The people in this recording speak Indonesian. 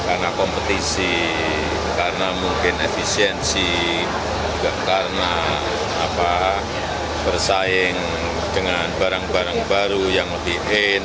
karena kompetisi karena mungkin efisiensi juga karena bersaing dengan barang barang baru yang lebih in